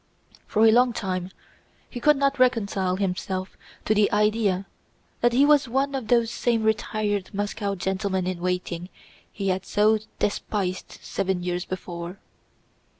For a long time he could not reconcile himself to the idea that he was one of those same retired Moscow gentlemen in waiting he had so despised seven years before.